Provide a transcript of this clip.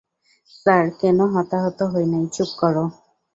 Sir, কোন হতাহত হয় নাই- - চুপ কর!